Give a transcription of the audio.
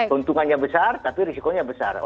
keuntungannya besar tapi risikonya besar